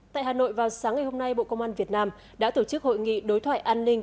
tại hà nội vào sáng ngày hôm nay bộ công an việt nam đã tổ chức hội nghị đối thoại an ninh